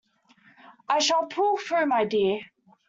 I shall pull through, my dear!